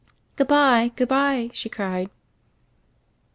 "Good bye, good bye," she cried.